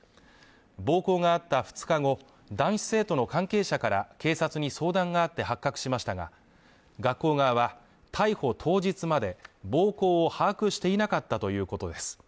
暴行があった２日後、男子生徒の関係者から警察に相談があって発覚しましたが、学校側は逮捕当日まで暴行を把握していなかったということです。